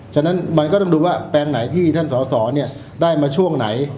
ฉะนั้นมันก็ต้องดูว่าแปลงไหนที่ท่านสอสอได้มาช่วงไหน